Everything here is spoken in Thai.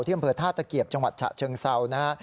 อำเภอท่าตะเกียบจังหวัดฉะเชิงเซานะฮะ